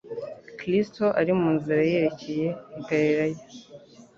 Kristo ari mu nzira yerekcye i Galilaya,